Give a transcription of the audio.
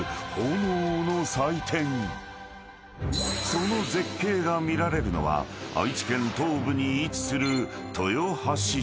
［その絶景が見られるのは愛知県東部に位置する］